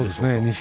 錦